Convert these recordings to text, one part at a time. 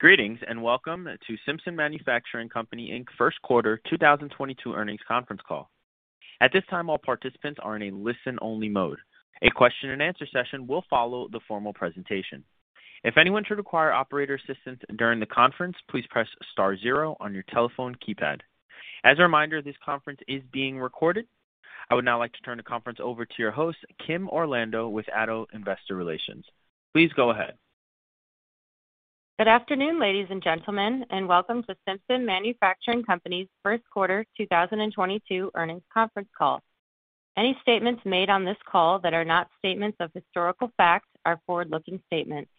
Greetings and welcome to Simpson Manufacturing Co., Inc. First Quarter 2022 earnings conference call. At this time all participants are in a listen-only mode. A question-and-answer session will follow the formal presentation. If anyone should require operator assistance during the conference, please press star zero on your telephone keypad. As a reminder, this conference is being recorded. I would now like to turn the conference over to your host, Kim Orlando with ADDO Investor Relations. Please go ahead. Good afternoon ladies and gentlemen, and welcome to Simpson Manufacturing Company's first quarter 2022 earnings conference call. Any statements made on this call that are not statements of historical facts are forward-looking statements.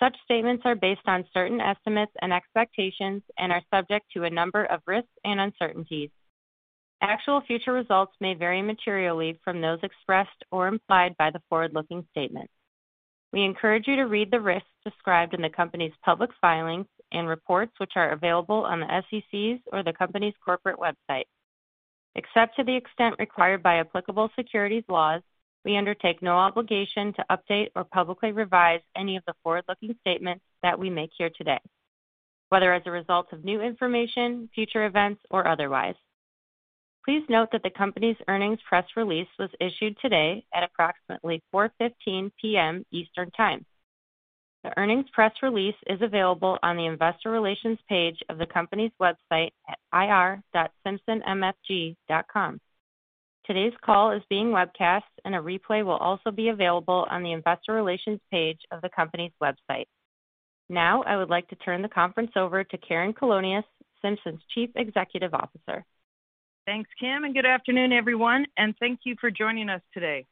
Such statements are based on certain estimates and expectations and are subject to a number of risks and uncertainties. Actual future results may vary materially from those expressed or implied by the forward-looking statements. We encourage you to read the risks described in the company's public filings and reports, which are available on the SEC's or the company's corporate website. Except to the extent required by applicable securities laws, we undertake no obligation to update or publicly revise any of the forward-looking statements that we make here today, whether as a result of new information, future events, or otherwise. Please note that the company's earnings press release was issued today at approximately 4:15 P.M. Eastern Time. The earnings press release is available on the investor relations page of the company's website at ir.simpsonmfg.com. Today's call is being webcast and a replay will also be available on the investor relations page of the company's website. Now I would like to turn the conference over to Karen Colonias, Simpson's Chief Executive Officer. Thanks Kim and good afternoon everyone and thank you for joining us today.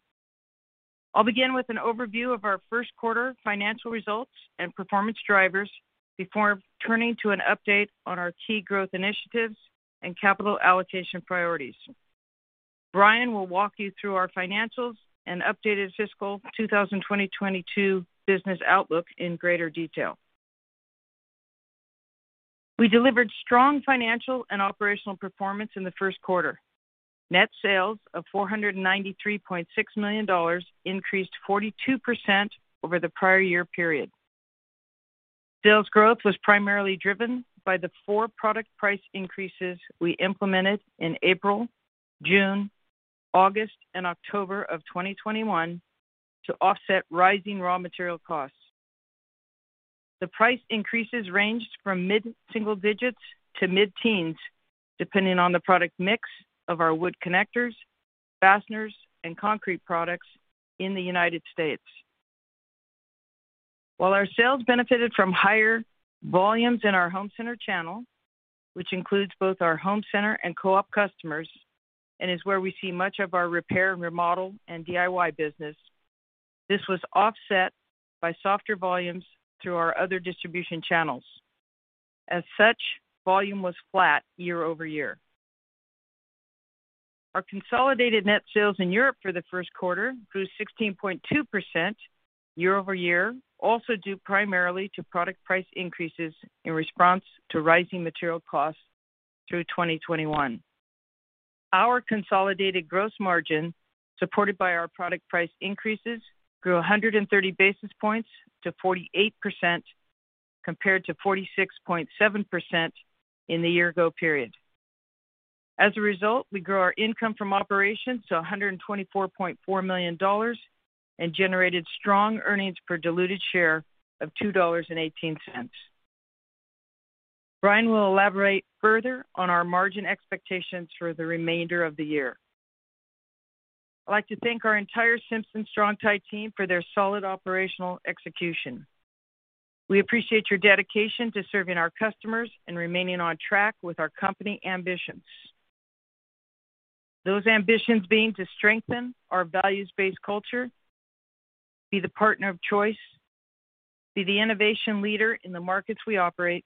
I'll begin with an overview of our first quarter financial results and performance drivers before turning to an update on our key growth initiatives and capital allocation priorities. Brian will walk you through our financials and updated fiscal 2022 business outlook in greater detail. We delivered strong financial and operational performance in the first quarter. Net sales of $493.6 million increased 42% over the prior year period. Sales growth was primarily driven by the four product price increases we implemented in April, June, August and October of 2021 to offset rising raw material costs. The price increases ranged from mid-single digits to mid-teens depending on the product mix of our wood connectors, fasteners and concrete products in the United States. While our sales benefited from higher volumes in our home center channel, which includes both our home center and co-op customers and is where we see much of our repair and remodel and DIY business, this was offset by softer volumes through our other distribution channels. Volume was flat year over year. Our consolidated net sales in Europe for the first quarter grew 16.2% year over year, also due primarily to product price increases in response to rising material costs through 2021. Our consolidated gross margin, supported by our product price increases, grew 130 basis points to 48% compared to 46.7% in the year ago period. As a result, we grew our income from operations to $124.4 million and generated strong earnings per diluted share of $2.18. Brian will elaborate further on our margin expectations for the remainder of the year. I'd like to thank our entire Simpson Strong-Tie team for their solid operational execution. We appreciate your dedication to serving our customers and remaining on track with our company ambitions. Those ambitions being to strengthen our values-based culture, be the partner of choice, be the innovation leader in the markets we operate,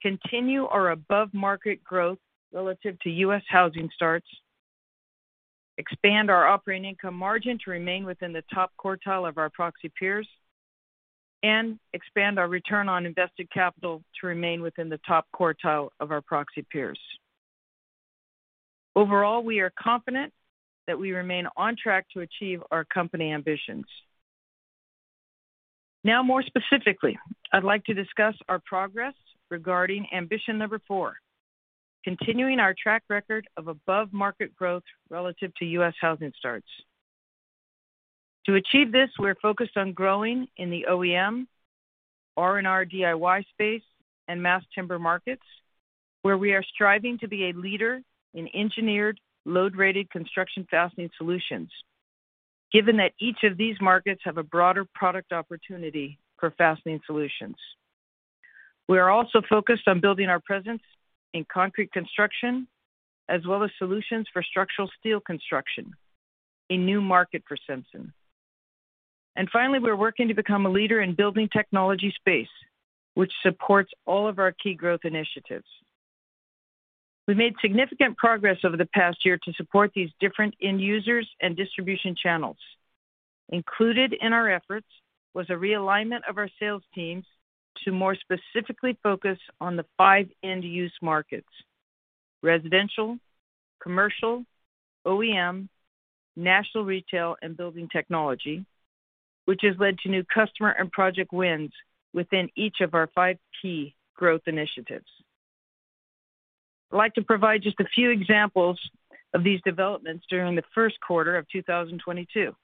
continue our above-market growth relative to U.S. housing starts, expand our operating income margin to remain within the top quartile of our proxy peers, and expand our return on invested capital to remain within the top quartile of our proxy peers. Overall we are confident that we remain on track to achieve our company ambitions. Now more specifically, I'd like to discuss our progress regarding ambition number four, continuing our track record of above market growth relative to U.S. housing starts. To achieve this, we're focused on growing in the OEM, R&R DIY space and mass timber markets, where we are striving to be a leader in engineered load-rated construction fastening solutions, given that each of these markets have a broader product opportunity for fastening solutions. We are also focused on building our presence in concrete construction as well as solutions for structural steel construction, a new market for Simpson. Finally, we're working to become a leader in building technology space, which supports all of our key growth initiatives. We made significant progress over the past year to support these different end users and distribution channels. Included in our efforts was a realignment of our sales teams to more specifically focus on the five end-use markets: residential, commercial, OEM, national retail, and building technology, which has led to new customer and project wins within each of our five key growth initiatives. I'd like to provide just a few examples of these developments during the first quarter of 2022.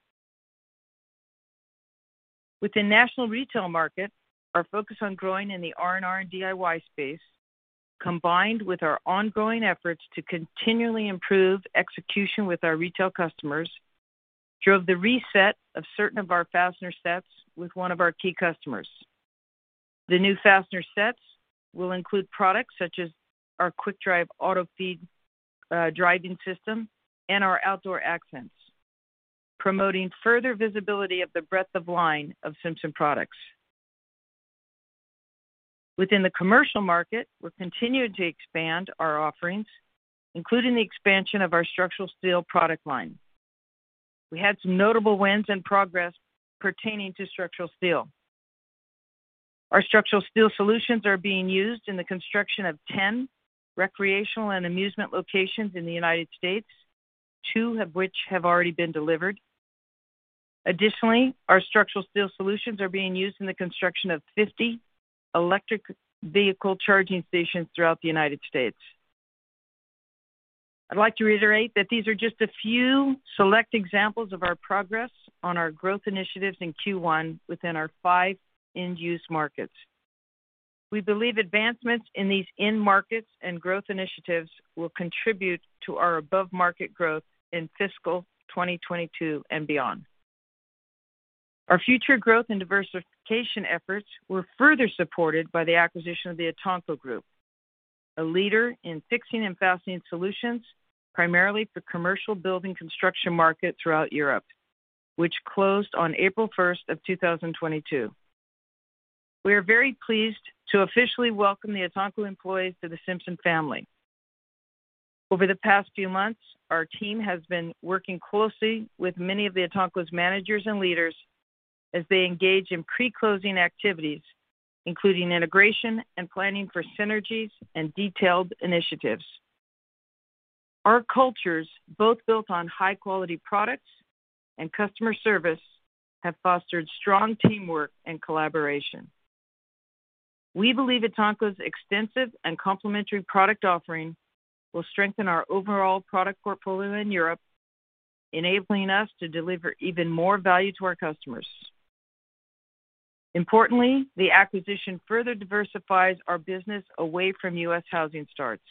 Within national retail market, our focus on growing in the R&R and DIY space, combined with our ongoing efforts to continually improve execution with our retail customers, drove the reset of certain of our fastener sets with one of our key customers. The new fastener sets will include products such as our Quik Drive Auto-Feed driving system and our Outdoor Accents, promoting further visibility of the breadth of line of Simpson products. Within the commercial market, we're continuing to expand our offerings, including the expansion of our structural steel product line. We had some notable wins and progress pertaining to structural steel. Our structural steel solutions are being used in the construction of 10 recreational and amusement locations in the United States, two of which have already been delivered. Additionally, our structural steel solutions are being used in the construction of 50 electric vehicle charging stations throughout the United States. I'd like to reiterate that these are just a few select examples of our progress on our growth initiatives in Q1 within our five end-use markets. We believe advancements in these end markets and growth initiatives will contribute to our above-market growth in fiscal 2022 and beyond. Our future growth and diversification efforts were further supported by the acquisition of the ETANCO Group, a leader in fixing and fastening solutions primarily for commercial building construction market throughout Europe, which closed on April 1, 2022. We are very pleased to officially welcome the ETANCO employees to the Simpson family. Over the past few months, our team has been working closely with many of the ETANCO's managers and leaders as they engage in pre-closing activities, including integration and planning for synergies and detailed initiatives. Our cultures, both built on high-quality products and customer service, have fostered strong teamwork and collaboration. We believe ETANCO's extensive and complementary product offering will strengthen our overall product portfolio in Europe, enabling us to deliver even more value to our customers. Importantly, the acquisition further diversifies our business away from U.S. housing starts.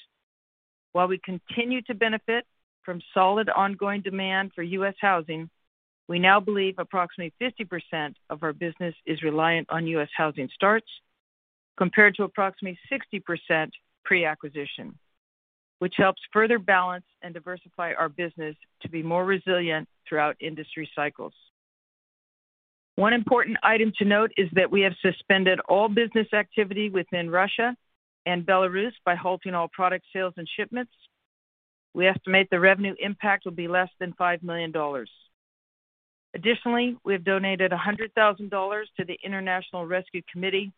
While we continue to benefit from solid ongoing demand for U.S. housing, we now believe approximately 50% of our business is reliant on U.S. housing starts compared to approximately 60% pre-acquisition, which helps further balance and diversify our business to be more resilient throughout industry cycles. One important item to note is that we have suspended all business activity within Russia and Belarus by halting all product sales and shipments. We estimate the revenue impact will be less than $5 million. Additionally, we have donated $100,000 to the International Rescue Committee,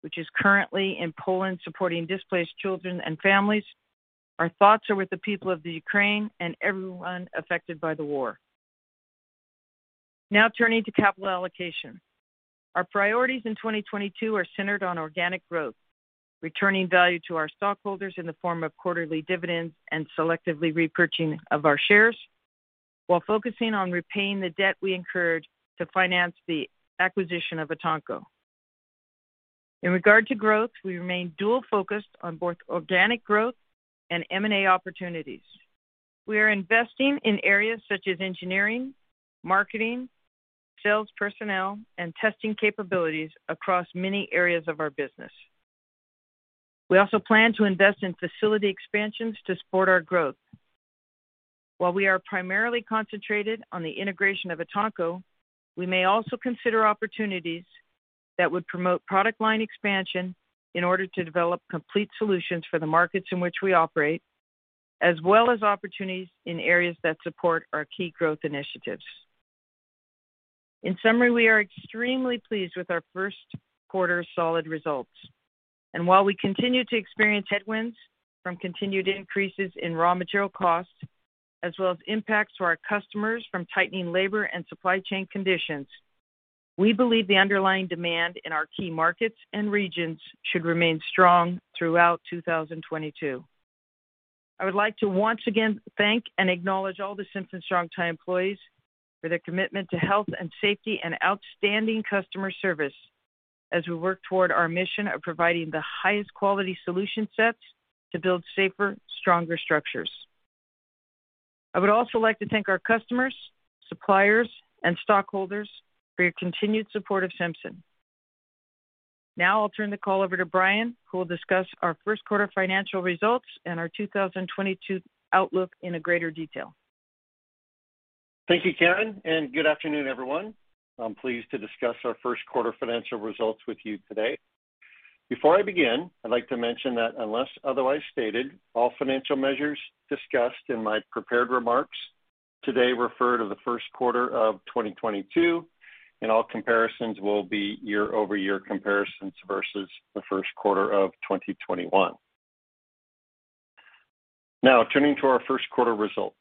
which is currently in Poland supporting displaced children and families. Our thoughts are with the people of Ukraine and everyone affected by the war. Now turning to capital allocation. Our priorities in 2022 are centered on organic growth, returning value to our stockholders in the form of quarterly dividends and selectively repurchasing of our shares, while focusing on repaying the debt we incurred to finance the acquisition of ETANCO. In regard to growth, we remain dual focused on both organic growth and M&A opportunities. We are investing in areas such as engineering, marketing, sales personnel, and testing capabilities across many areas of our business. We also plan to invest in facility expansions to support our growth. While we are primarily concentrated on the integration of ETANCO, we may also consider opportunities that would promote product line expansion in order to develop complete solutions for the markets in which we operate, as well as opportunities in areas that support our key growth initiatives. In summary, we are extremely pleased with our first quarter solid results. While we continue to experience headwinds from continued increases in raw material costs, as well as impacts to our customers from tightening labor and supply chain conditions, we believe the underlying demand in our key markets and regions should remain strong throughout 2022. I would like to once again thank and acknowledge all the Simpson Strong-Tie employees for their commitment to health and safety and outstanding customer service as we work toward our mission of providing the highest quality solution sets to build safer, stronger structures. I would also like to thank our customers, suppliers, and stockholders for your continued support of Simpson. Now I'll turn the call over to Brian, who will discuss our first quarter financial results and our 2022 outlook in greater detail. Thank you, Karen, and good afternoon, everyone. I'm pleased to discuss our first quarter financial results with you today. Before I begin, I'd like to mention that unless otherwise stated, all financial measures discussed in my prepared remarks today refer to the first quarter of 2022, and all comparisons will be year-over-year comparisons versus the first quarter of 2021. Now turning to our first quarter results.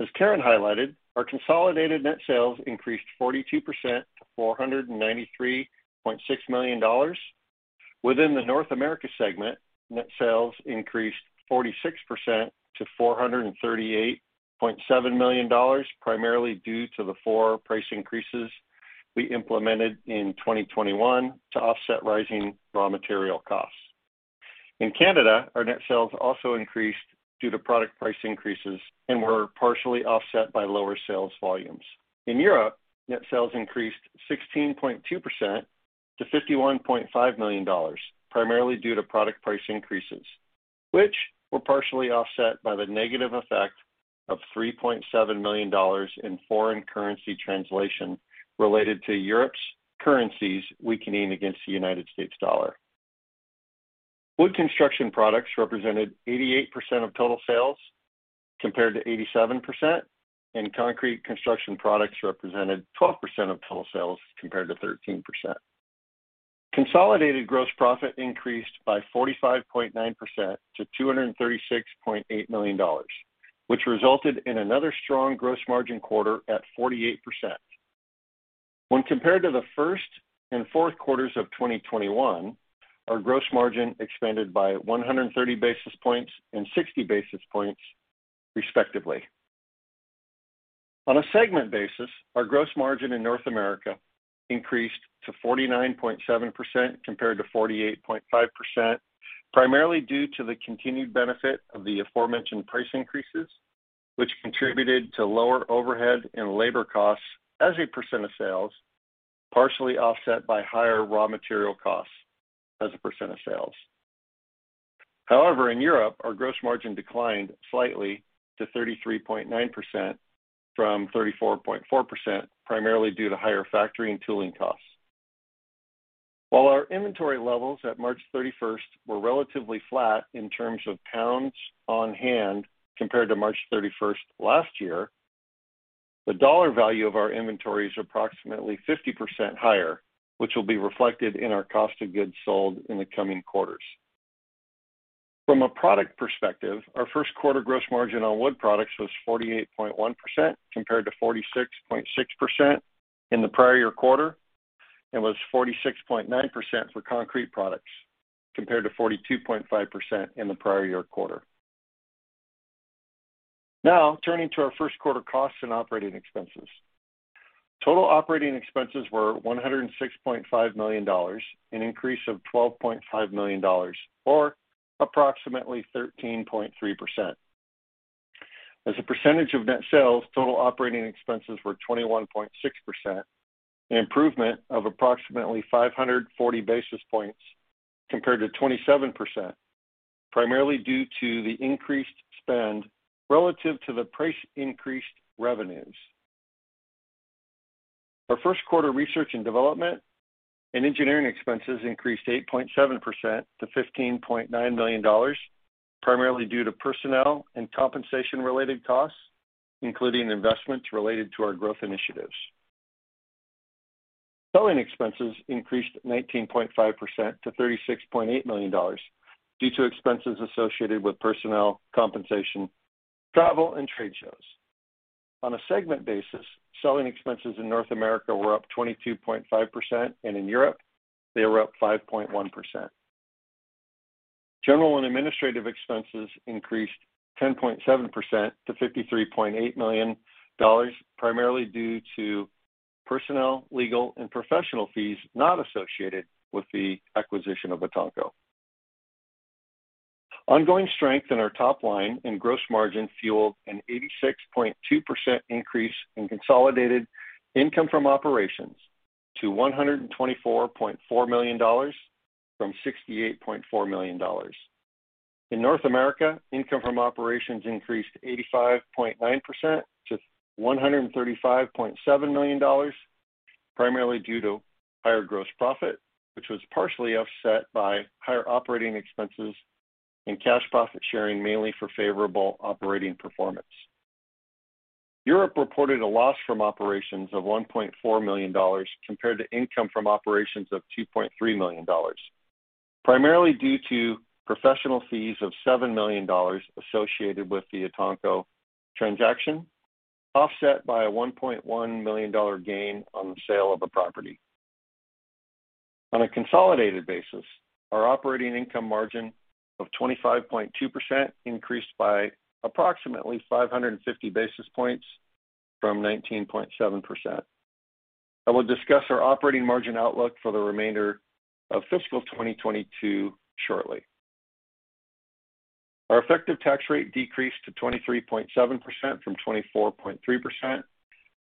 As Karen highlighted, our consolidated net sales increased 42% to $493.6 million. Within the North America segment, net sales increased 46% to $438.7 million, primarily due to the four price increases we implemented in 2021 to offset rising raw material costs. In Canada, our net sales also increased due to product price increases and were partially offset by lower sales volumes. In Europe, net sales increased 16.2% to $51.5 million, primarily due to product price increases, which were partially offset by the negative effect of $3.7 million in foreign currency translation related to Europe's currencies weakening against the United States dollar. Wood construction products represented 88% of total sales, compared to 87%, and concrete construction products represented 12% of total sales, compared to 13%. Consolidated gross profit increased by 45.9% to $236.8 million, which resulted in another strong gross margin quarter at 48%. When compared to the first and fourth quarters of 2021, our gross margin expanded by 130 basis points and 60 basis points, respectively. On a segment basis, our gross margin in North America increased to 49.7% compared to 48.5%, primarily due to the continued benefit of the aforementioned price increases, which contributed to lower overhead and labor costs as a percent of sales, partially offset by higher raw material costs as a percent of sales. However, in Europe, our gross margin declined slightly to 33.9% from 34.4%, primarily due to higher factory and tooling costs. While our inventory levels at March 31 were relatively flat in terms of pounds on hand compared to March 31 last year, the dollar value of our inventory is approximately 50% higher, which will be reflected in our cost of goods sold in the coming quarters. From a product perspective, our first quarter gross margin on wood products was 48.1% compared to 46.6% in the prior year quarter, and was 46.9% for concrete products compared to 42.5% in the prior year quarter. Now, turning to our first quarter costs and operating expenses. Total operating expenses were $106.5 million, an increase of $12.5 million or approximately 13.3%. As a percentage of net sales, total operating expenses were 21.6%, an improvement of approximately 540 basis points compared to 27%, primarily due to the increased revenues relative to the increased spend. Our first quarter research and development and engineering expenses increased 8.7% to $15.9 million, primarily due to personnel and compensation-related costs, including investments related to our growth initiatives. Selling expenses increased 19.5% to $36.8 million due to expenses associated with personnel compensation, travel, and trade shows. On a segment basis, selling expenses in North America were up 22.5%, and in Europe they were up 5.1%. General and administrative expenses increased 10.7% to $53.8 million, primarily due to personnel, legal, and professional fees not associated with the acquisition of ETANCO. Ongoing strength in our top line and gross margin fueled an 86.2% increase in consolidated income from operations to $124.4 million from $68.4 million. In North America, income from operations increased 85.9% to $135.7 million, primarily due to higher gross profit, which was partially offset by higher operating expenses and cash profit sharing mainly for favorable operating performance. Europe reported a loss from operations of $1.4 million compared to income from operations of $2.3 million, primarily due to professional fees of $7 million associated with the ETANCO transaction, offset by a $1.1 million gain on the sale of a property. On a consolidated basis, our operating income margin of 25.2% increased by approximately 550 basis points from 19.7%. I will discuss our operating margin outlook for the remainder of fiscal 2022 shortly. Our effective tax rate decreased to 23.7% from 24.3%,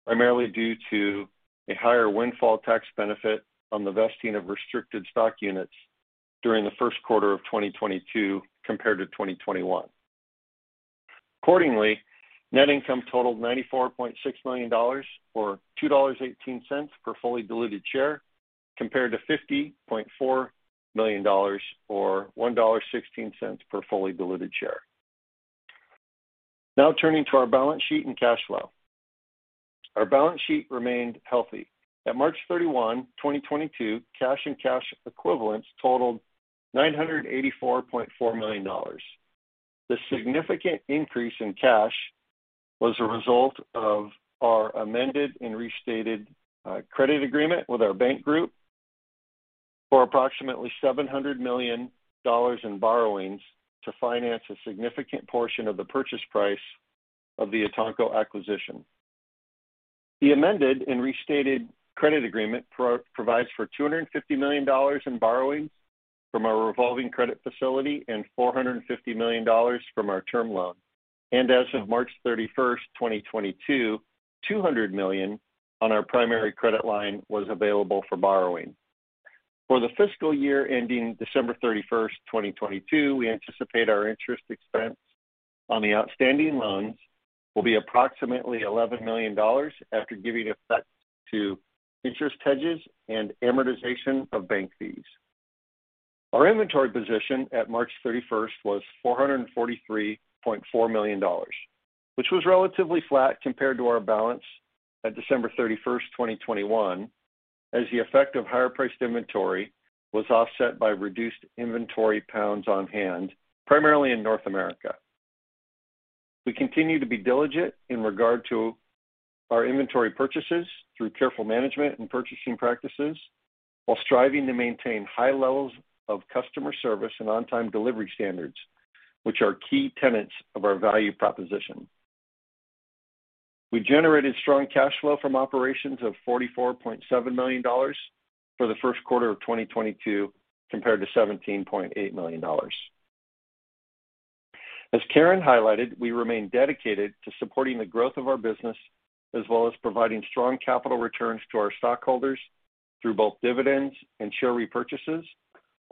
primarily due to a higher windfall tax benefit on the vesting of restricted stock units during the first quarter of 2022 compared to 2021. Accordingly, net income totaled $94.6 million or $2.18 per fully diluted share, compared to $50.4 million or $1.16 per fully diluted share. Now turning to our balance sheet and cash flow. Our balance sheet remained healthy. At March 31, 2022, cash and cash equivalents totaled $984.4 million. The significant increase in cash was a result of our amended and restated credit agreement with our bank group for approximately $700 million in borrowings to finance a significant portion of the purchase price of the ETANCO acquisition. The amended and restated credit agreement provides for $250 million in borrowings from our revolving credit facility and $450 million from our term loan. As of March 31, 2022, $200 million on our primary credit line was available for borrowing. For the fiscal year ending December 31, 2022, we anticipate our interest expense on the outstanding loans will be approximately $11 million after giving effect to interest hedges and amortization of bank fees. Our inventory position at March 31 was $443.4 million, which was relatively flat compared to our balance at December 31, 2021, as the effect of higher priced inventory was offset by reduced inventory pounds on hand, primarily in North America. We continue to be diligent in regard to our inventory purchases through careful management and purchasing practices, while striving to maintain high levels of customer service and on-time delivery standards, which are key tenets of our value proposition. We generated strong cash flow from operations of $44.7 million for the first quarter of 2022, compared to $17.8 million. As Karen highlighted, we remain dedicated to supporting the growth of our business, as well as providing strong capital returns to our stockholders through both dividends and share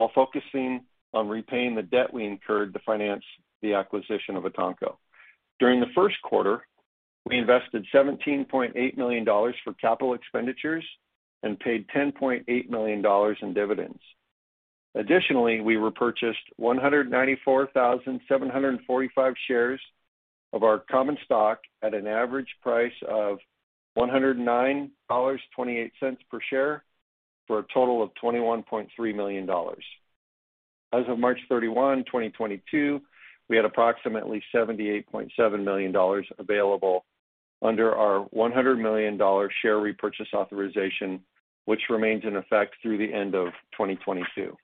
repurchases while focusing on repaying the debt we incurred to finance the acquisition of ETANCO. During the first quarter, we invested $17.8 million for capital expenditures and paid $10.8 million in dividends. We repurchased 194,745 shares of our common stock at an average price of $109.28 per share for a total of $21.3 million. As of March 31, 2022, we had approximately $78.7 million available under our $100 million share repurchase authorization, which remains in effect through the end of 2022.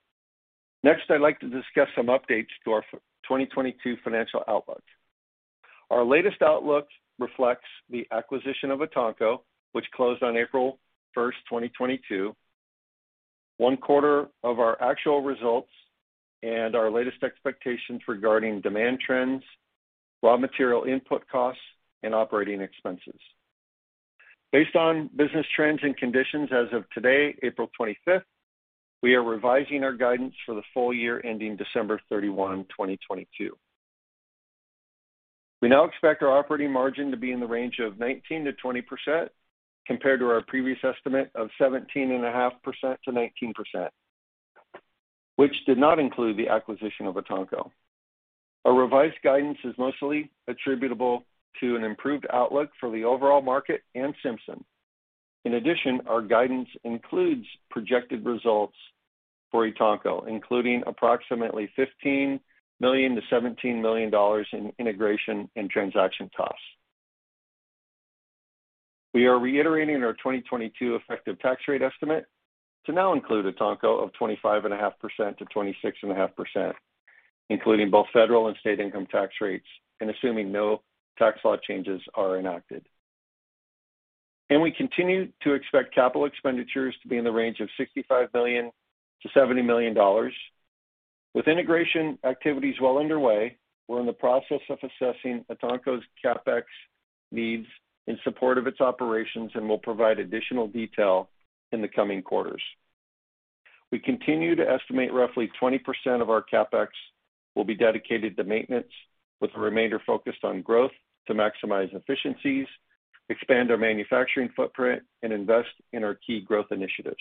Next, I'd like to discuss some updates to our 2022 financial outlook. Our latest outlook reflects the acquisition of ETANCO, which closed on April 1, 2022, one quarter of our actual results, and our latest expectations regarding demand trends, raw material input costs, and operating expenses. Based on business trends and conditions as of today, April 25, we are revising our guidance for the full year ending December 31, 2022. We now expect our operating margin to be in the range of 19%-20% compared to our previous estimate of 17.5%-19%, which did not include the acquisition of ETANCO. Our revised guidance is mostly attributable to an improved outlook for the overall market and Simpson. In addition, our guidance includes projected results for ETANCO, including approximately $15 million-$17 million in integration and transaction costs. We are reiterating our 2022 effective tax rate estimate to now include ETANCO of 25.5%-26.5%, including both federal and state income tax rates and assuming no tax law changes are enacted. We continue to expect capital expenditures to be in the range of $65 million-$70 million. With integration activities well underway, we're in the process of assessing ETANCO's CapEx needs in support of its operations, and we'll provide additional detail in the coming quarters. We continue to estimate roughly 20% of our CapEx will be dedicated to maintenance, with the remainder focused on growth to maximize efficiencies, expand our manufacturing footprint and invest in our key growth initiatives.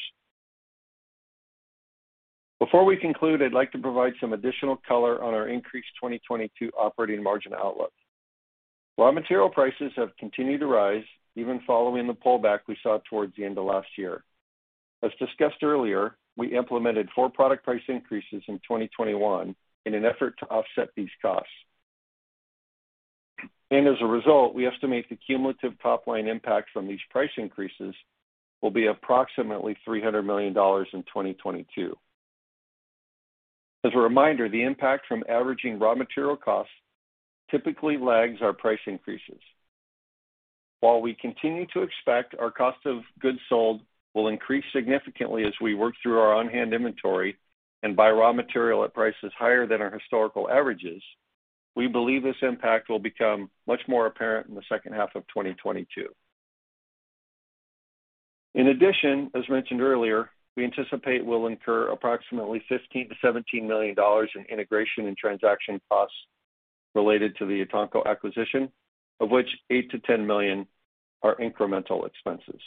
Before we conclude, I'd like to provide some additional color on our increased 2022 operating margin outlook. Raw material prices have continued to rise even following the pullback we saw towards the end of last year. As discussed earlier, we implemented four product price increases in 2021 in an effort to offset these costs. As a result, we estimate the cumulative top line impact from these price increases will be approximately $300 million in 2022. As a reminder, the impact from averaging raw material costs typically lags our price increases. While we continue to expect our cost of goods sold will increase significantly as we work through our on-hand inventory and buy raw material at prices higher than our historical averages, we believe this impact will become much more apparent in the second half of 2022. In addition, as mentioned earlier, we anticipate we'll incur approximately $15 million-$17 million in integration and transaction costs related to the ETANCO acquisition, of which $8 million-$10 million are incremental expenses.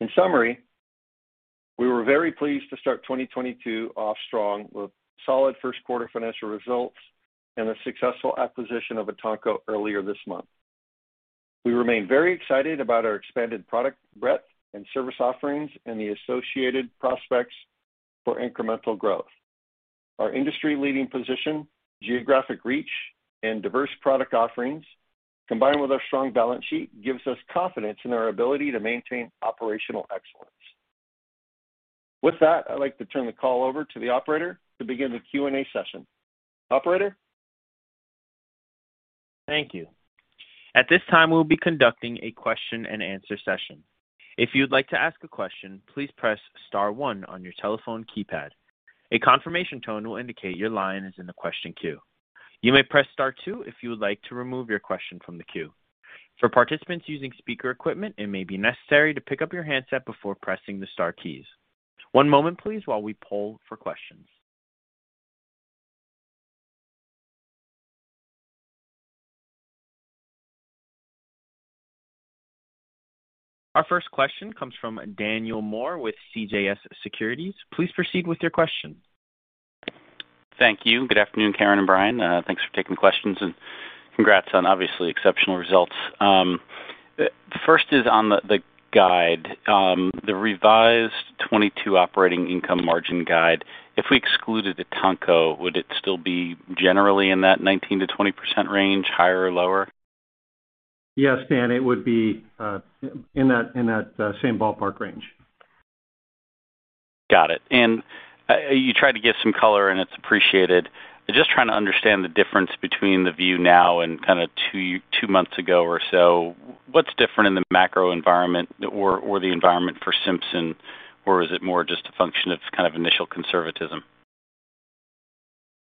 In summary, we were very pleased to start 2022 off strong with solid first quarter financial results and a successful acquisition of ETANCO earlier this month. We remain very excited about our expanded product breadth and service offerings and the associated prospects for incremental growth. Our industry-leading position, geographic reach, and diverse product offerings, combined with our strong balance sheet, gives us confidence in our ability to maintain operational excellence. With that, I'd like to turn the call over to the operator to begin the Q&A session. Operator? Thank you. At this time, we'll be conducting a question-and-answer session. If you'd like to ask a question, please press star one on your telephone keypad. A confirmation tone will indicate your line is in the question queue. You may press star two if you would like to remove your question from the queue. For participants using speaker equipment, it may be necessary to pick up your handset before pressing the star keys. One moment, please, while we poll for questions. Our first question comes from Daniel Moore with CJS Securities. Please proceed with your question. Thank you. Good afternoon, Karen and Brian. Thanks for taking questions, and congrats on obviously exceptional results. First is on the guide, the revised 2022 operating income margin guide. If we excluded ETANCO, would it still be generally in that 19%-20% range, higher or lower? Yes, Dan, it would be in that same ballpark range. Got it. You tried to give some color, and it's appreciated. Just trying to understand the difference between the view now and kinda two months ago or so. What's different in the macro environment or the environment for Simpson, or is it more just a function of kind of initial conservatism?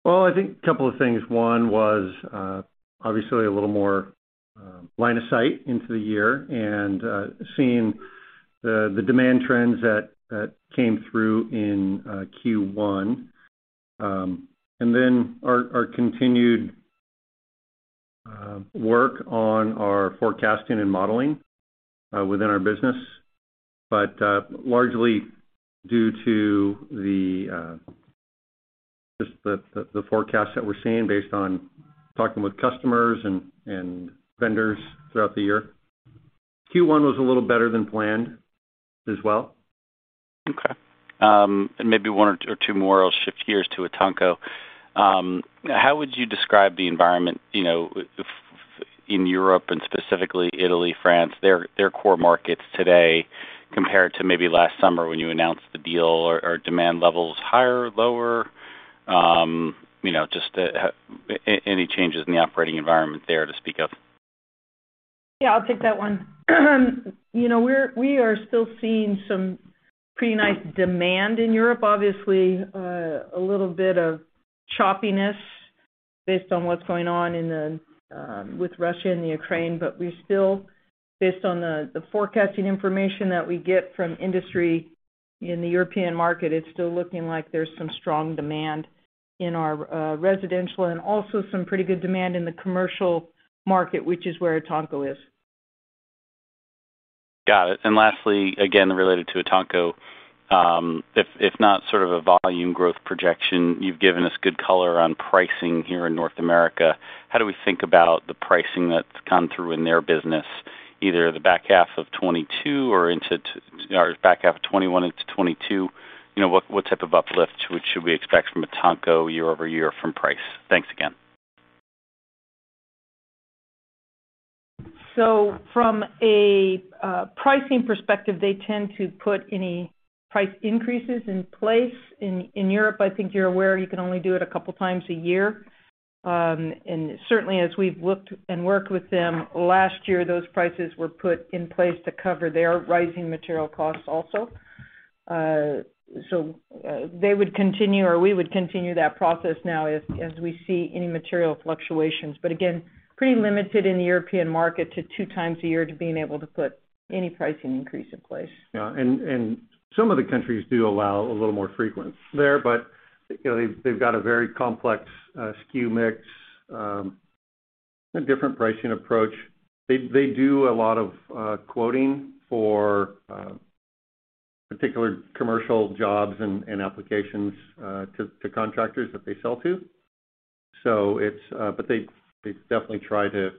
Well, I think a couple of things. One was obviously a little more line of sight into the year and seeing the demand trends that came through in Q1. And then our continued work on our forecasting and modeling within our business. Largely due to just the forecast that we're seeing based on talking with customers and vendors throughout the year. Q1 was a little better than planned as well. Okay. And maybe one or two more. I'll shift gears to ETANCO. How would you describe the environment, you know, in Europe and specifically Italy, France, their core markets today compared to maybe last summer when you announced the deal? Are demand levels higher or lower? You know, just any changes in the operating environment there to speak of? Yeah, I'll take that one. You know, we are still seeing some pretty nice demand in Europe. Obviously, a little bit of choppiness based on what's going on with Russia and the Ukraine. We still, based on the forecasting information that we get from industry in the European market, it's still looking like there's some strong demand in our residential and also some pretty good demand in the commercial market, which is where ETANCO is. Got it. Lastly, again, related to ETANCO, if not sort of a volume growth projection, you've given us good color on pricing here in North America. How do we think about the pricing that's come through in their business, either the back half of 2022 or back half of 2021 into 2022? You know, what type of uplift should we expect from ETANCO year-over-year from price? Thanks again. From a pricing perspective, they tend to put any price increases in place. In Europe, I think you're aware you can only do it a couple times a year. Certainly as we've looked and worked with them, last year, those prices were put in place to cover their rising material costs also. They would continue, or we would continue that process now as we see any material fluctuations. Again, pretty limited in the European market to two times a year to being able to put any pricing increase in place. Yeah. Some of the countries do allow a little more frequent there, but you know, they've got a very complex SKU mix, a different pricing approach. They do a lot of quoting for particular commercial jobs and applications to contractors that they sell to. They definitely try to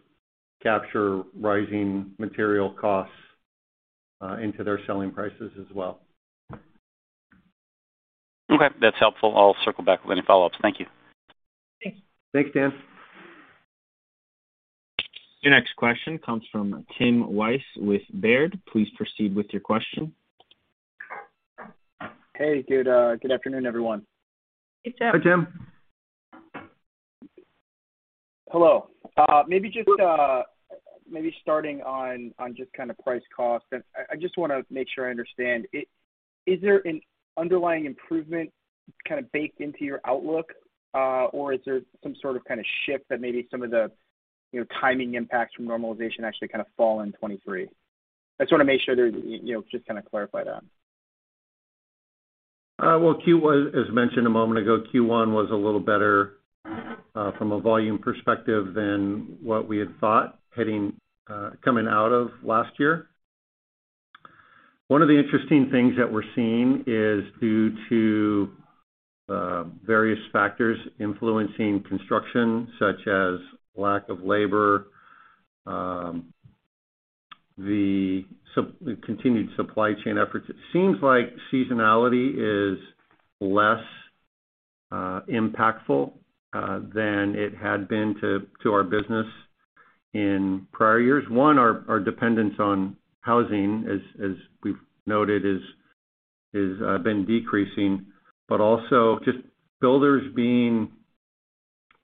capture rising material costs into their selling prices as well. Okay. That's helpful. I'll circle back with any follow-ups. Thank you. Thanks. Thanks, Dan. Your next question comes from Tim Wojs with Baird. Please proceed with your question. Hey. Good afternoon, everyone. Hey, Tim. Hi, Tim. Hello. Maybe starting on just kind of price cost, and I just wanna make sure I understand. Is there an underlying improvement kind of baked into your outlook, or is there some sort of kind of shift that maybe some of the, you know, timing impacts from normalization actually kind of fall in 2023? I just wanna make sure there, you know, just to kind of clarify that. Well, Q1, as mentioned a moment ago, Q1 was a little better from a volume perspective than what we had thought coming out of last year. One of the interesting things that we're seeing is due to various factors influencing construction, such as lack of labor, the continued supply chain efforts. It seems like seasonality is less impactful than it had been to our business in prior years. Our dependence on housing, as we've noted, is been decreasing, but also just builders being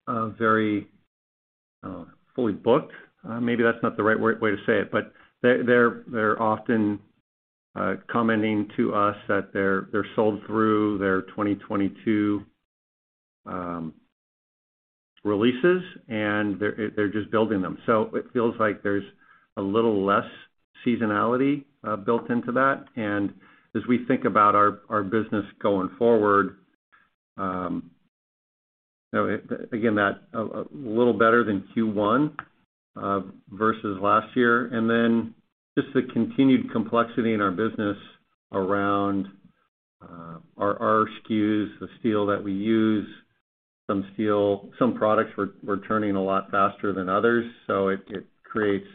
very fully booked. Maybe that's not the right way to say it, but they're often commenting to us that they're sold through their 2022 releases, and they're just building them. It feels like there's a little less seasonality built into that. As we think about our business going forward, again a little better than Q1 versus last year, and then just the continued complexity in our business around our SKUs, the steel that we use. Some products were turning a lot faster than others, so it creates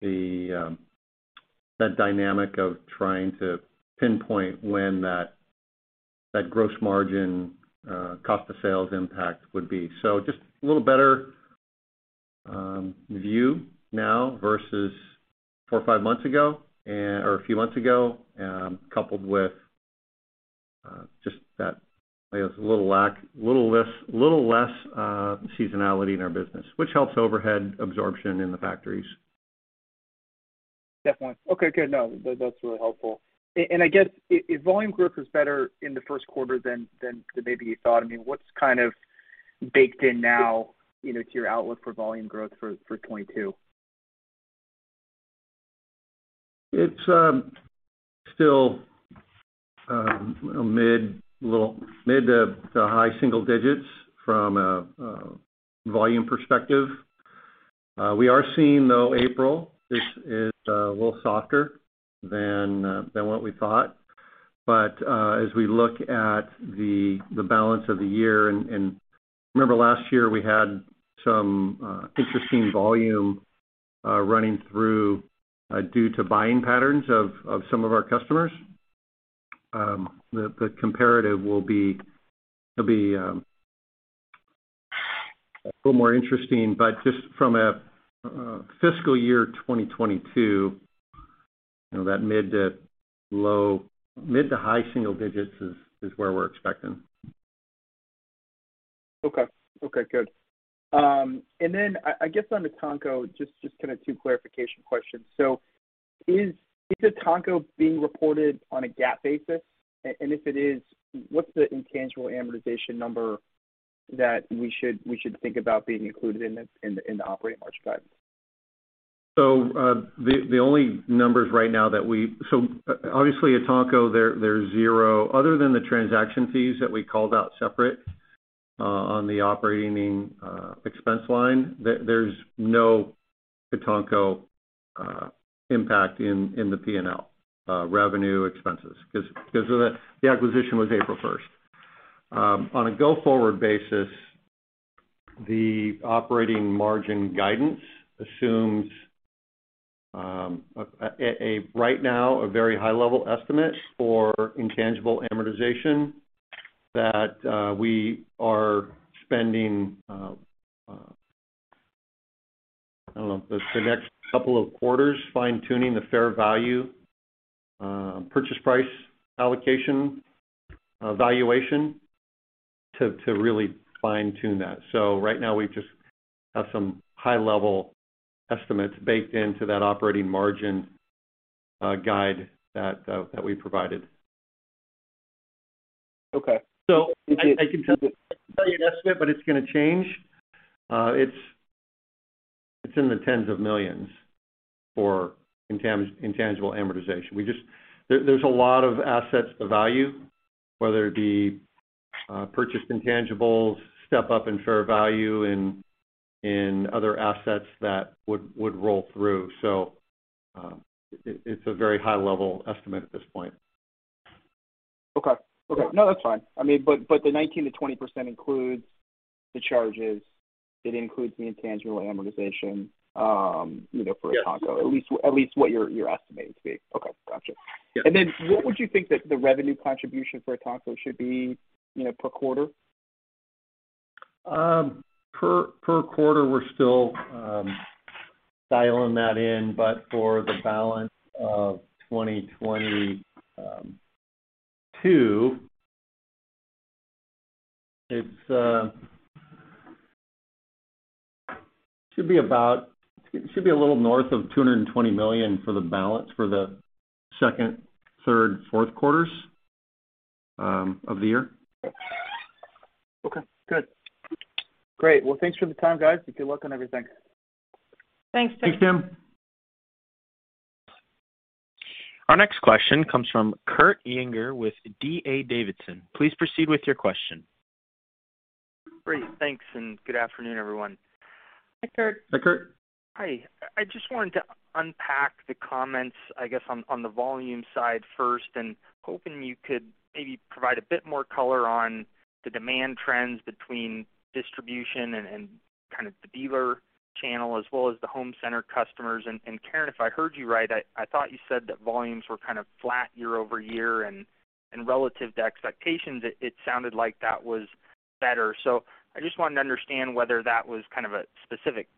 that dynamic of trying to pinpoint when that gross margin cost of sales impact would be. Just a little better view now versus four or five months ago or a few months ago, coupled with just that, I guess, a little less seasonality in our business, which helps overhead absorption in the factories. Definitely. Okay, good. No, that's really helpful. I guess if volume growth was better in the first quarter than maybe you thought, I mean, what's kind of baked in now, you know, to your outlook for volume growth for 2022? It's still a little mid- to high-single-digits from a volume perspective. We are seeing though April is a little softer than what we thought. As we look at the balance of the year and remember last year we had some interesting volume running through due to buying patterns of some of our customers. The comparative will be a little more interesting. Just from a fiscal year 2022, you know, that mid- to low-, mid- to high-single-digits is where we're expecting. Okay, good. I guess on the ETANCO, just kind of two clarification questions. Is the ETANCO being reported on a GAAP basis? And if it is, what's the intangible amortization number that we should think about being included in the operating margin guide? Obviously at ETANCO there's zero. Other than the transaction fees that we called out separately on the operating expense line, there's no ETANCO impact in the P&L revenue expenses 'cause the acquisition was April first. On a go-forward basis, the operating margin guidance assumes right now a very high-level estimate for intangible amortization that we are spending I don't know the next couple of quarters fine-tuning the fair value purchase price allocation valuation to really fine-tune that. Right now we just have some high-level estimates baked into that operating margin guide that we provided. Okay. I can tell you an estimate, but it's gonna change. It's in the $10s of millions for intangible amortization. There's a lot of assets to value, whether it be purchased intangibles, step up in fair value in other assets that would roll through. It's a very high-level estimate at this point. Okay. No, that's fine. I mean, but the 19%-20% includes the charges, it includes the intangible amortization, you know, for ETANCO- Yeah. At least what your estimate is to be. Okay, gotcha. Yeah. What would you think that the revenue contribution for ETANCO should be, you know, per quarter? Per quarter we're still dialing that in, but for the balance of 2022, it should be a little north of $220 million for the balance of the second, third, fourth quarters of the year. Okay, good. Great. Well, thanks for the time, guys, and good luck on everything. Thanks, Tim. Thanks, Tim. Our next question comes from Kurt Yinger with D.A. Davidson. Please proceed with your question. Great. Thanks, and good afternoon, everyone. Hi, Kurt. Hi, Kurt. Hi. I just wanted to unpack the comments, I guess, on the volume side first and hoping you could maybe provide a bit more color on the demand trends between distribution and kind of the dealer channel as well as the home center customers. Karen, if I heard you right, I thought you said that volumes were kind of flat year-over-year, and relative to expectations, it sounded like that was better. I just wanted to understand whether that was kind of a specific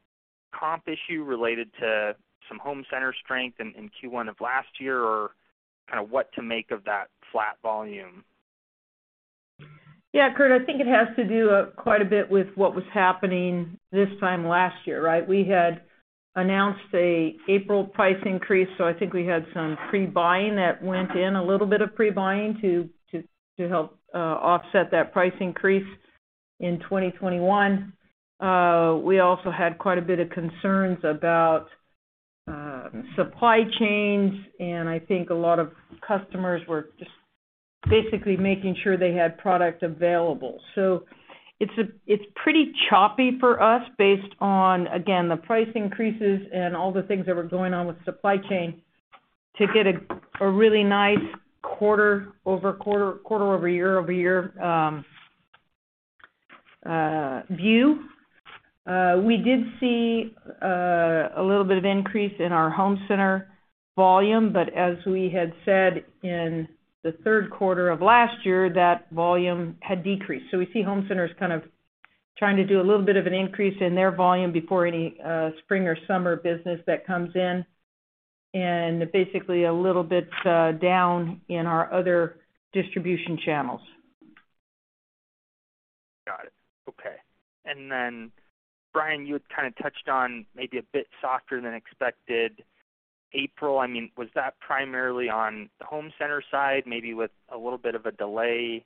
comp issue related to some home center strength in Q1 of last year or kind of what to make of that flat volume. Yeah, Kurt, I think it has to do quite a bit with what was happening this time last year, right? We had announced an April price increase, so I think we had some pre-buying that went in, a little bit of pre-buying to help offset that price increase in 2021. We also had quite a bit of concerns about supply chains, and I think a lot of customers were just basically making sure they had product available. It's pretty choppy for us based on, again, the price increases and all the things that were going on with supply chain to get a really nice quarter-over-quarter, year-over-year view. We did see a little bit of increase in our home center volume. As we had said in the third quarter of last year, that volume had decreased. We see home centers kind of trying to do a little bit of an increase in their volume before any spring or summer business that comes in. Basically a little bit down in our other distribution channels. Got it. Okay. Brian, you had kind of touched on maybe a bit softer than expected April. I mean, was that primarily on the home center side, maybe with a little bit of a delay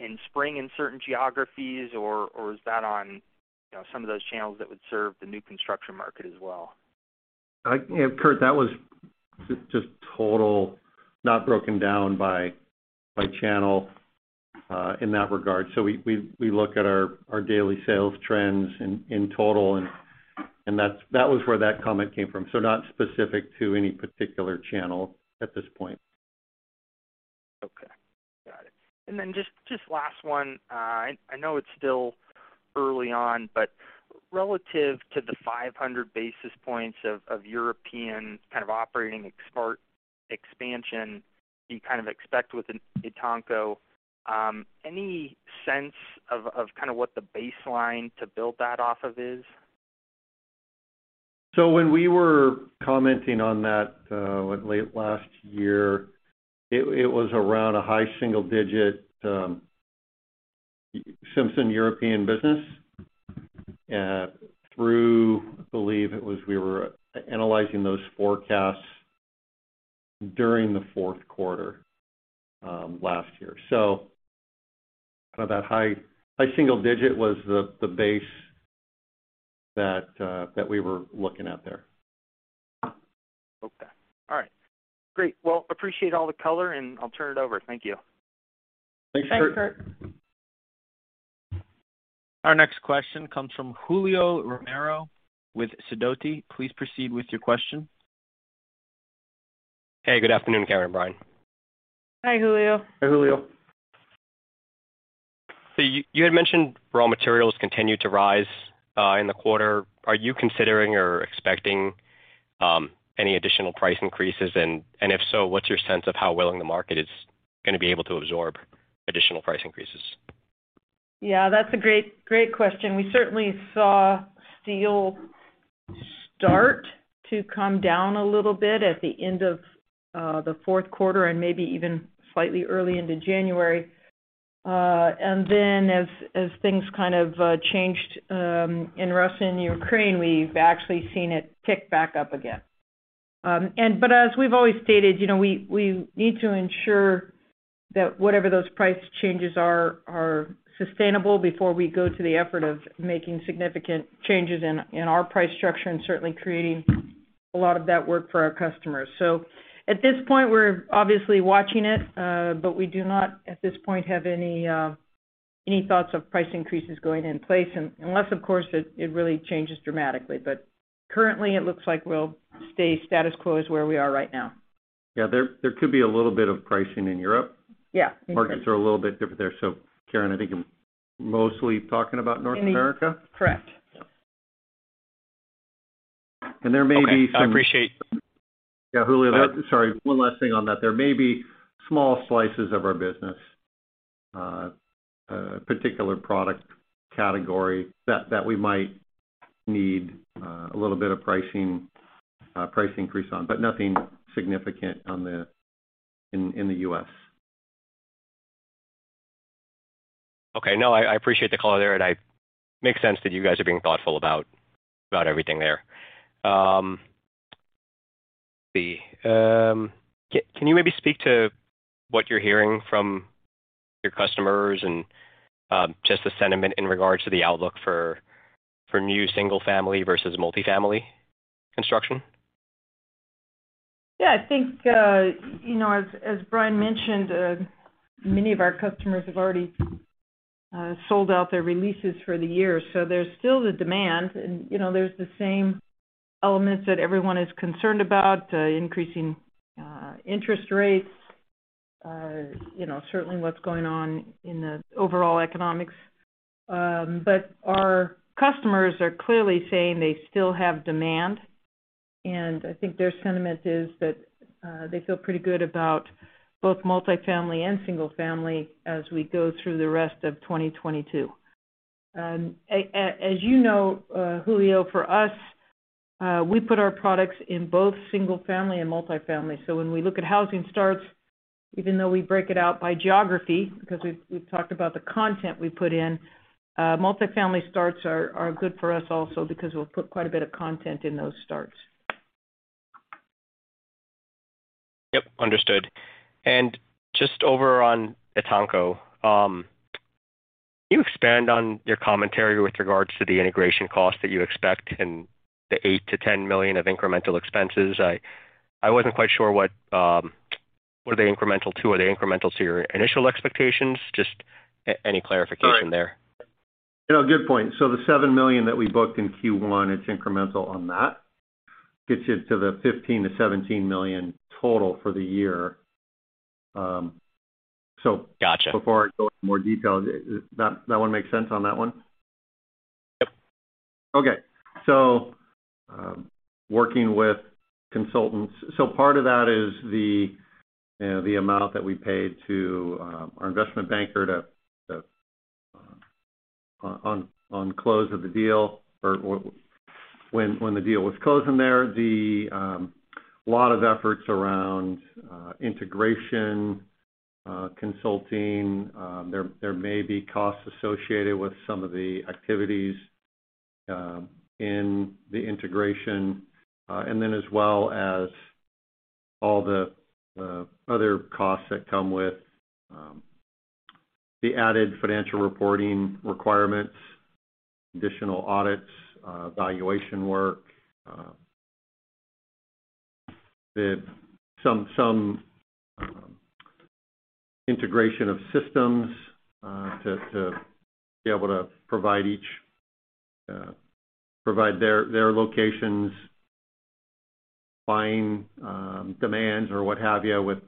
in spring in certain geographies or is that on, you know, some of those channels that would serve the new construction market as well? You know, Kurt, that was just total, not broken down by channel in that regard. We look at our daily sales trends in total, and that's where that comment came from. Not specific to any particular channel at this point. Okay. Got it. Then just last one. I know it's still early on, but relative to the 500 basis points of European kind of operating expansion you kind of expect with ETANCO, any sense of kind of what the baseline to build that off of is? When we were commenting on that late last year, it was around a high single digit Simpson European business through, I believe, we were analyzing those forecasts during the fourth quarter last year. Kind of that high single digit was the base that we were looking at there. Okay. All right. Great. Well, I appreciate all the color, and I'll turn it over. Thank you. Thanks, Kurt. Thanks, Kurt. Our next question comes from Julio Romero with Sidoti. Please proceed with your question. Hey, good afternoon, Karen and Brian. Hi, Julio. Hi, Julio. You had mentioned raw materials continued to rise in the quarter. Are you considering or expecting any additional price increases? If so, what's your sense of how well the market is gonna be able to absorb additional price increases? Yeah, that's a great question. We certainly saw steel start to come down a little bit at the end of the fourth quarter and maybe even slightly early into January. Then as things kind of changed in Russia and Ukraine, we've actually seen it tick back up again. But as we've always stated, you know, we need to ensure that whatever those price changes are are sustainable before we go to the effort of making significant changes in our price structure and certainly creating a lot of that work for our customers. At this point, we're obviously watching it, but we do not at this point have any thoughts of price increases going in place unless of course it really changes dramatically. Currently it looks like we'll stay status quo is where we are right now. Yeah. There could be a little bit of pricing in Europe. Yeah. Markets are a little bit different there. Karen, I think I'm mostly talking about North America. Correct. There may be some. Okay. I appreciate. Yeah, Julio. Go ahead. Sorry, one last thing on that. There may be small slices of our business, particular product category that we might need a little bit of pricing, price increase on, but nothing significant in the U.S. Okay. No, I appreciate the color there. Makes sense that you guys are being thoughtful about everything there. Let's see. Can you maybe speak to what you're hearing from your customers and just the sentiment in regards to the outlook for new single-family versus multifamily construction? Yeah. I think, you know, as Brian mentioned, many of our customers have already sold out their releases for the year. There's still the demand and, you know, there's the same elements that everyone is concerned about, increasing interest rates, you know, certainly what's going on in the overall economy. Our customers are clearly saying they still have demand, and I think their sentiment is that, they feel pretty good about both multifamily and single-family as we go through the rest of 2022. As you know, Julio, for us, we put our products in both single-family and multifamily. When we look at housing starts, even though we break it out by geography because we've talked about the content we put in, multifamily starts are good for us also because we'll put quite a bit of content in those starts. Yep, understood. Just over on ETANCO, can you expand on your commentary with regards to the integration costs that you expect and the $8 million-$10 million of incremental expenses? I wasn't quite sure what they are incremental to? Are they incremental to your initial expectations? Just any clarification there. Right. You know, good point. The $7 million that we booked in Q1, it's incremental on that. Gets you to the $15 million-$17 million total for the year. Gotcha Before I go into more details, that one makes sense on that one? Yep. Working with consultants. Part of that is the amount that we paid to our investment banker on close of the deal or when the deal was closing there. A lot of efforts around integration consulting. There may be costs associated with some of the activities in the integration. And then as well as all the other costs that come with the added financial reporting requirements, additional audits, valuation work, some integration of systems to be able to provide their locations buying demands or what have you with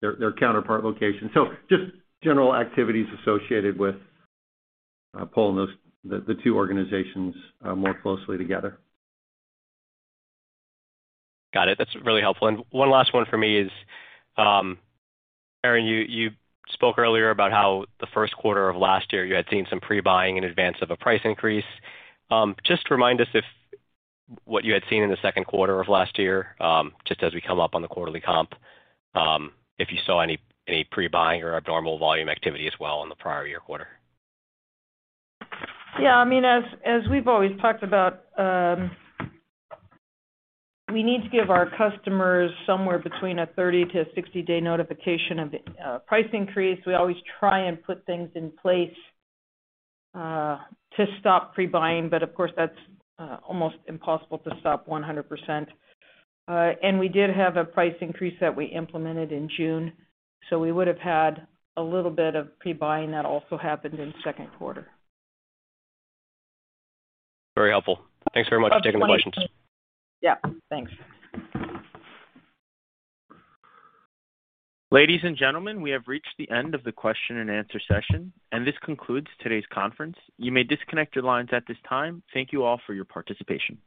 their counterpart locations. Just general activities associated with pulling the two organizations more closely together. Got it. That's really helpful. One last one for me is, Karen, you spoke earlier about how the first quarter of last year you had seen some pre-buying in advance of a price increase. Just remind us if what you had seen in the second quarter of last year, just as we come up on the quarterly comp, if you saw any pre-buying or abnormal volume activity as well in the prior year quarter. Yeah, I mean, as we've always talked about, we need to give our customers somewhere between a 30- to 60-day notification of the price increase. We always try and put things in place to stop pre-buying, but of course, that's almost impossible to stop 100%. We did have a price increase that we implemented in June, so we would have had a little bit of pre-buying that also happened in second quarter. Very helpful. Thanks very much for taking the questions. Yeah, thanks. Ladies and gentlemen, we have reached the end of the question and answer session, and this concludes today's conference. You may disconnect your lines at this time. Thank you all for your participation.